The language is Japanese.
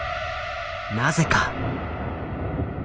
なぜか。